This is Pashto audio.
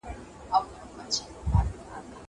زه هره ورځ ليکلي پاڼي ترتيب کوم!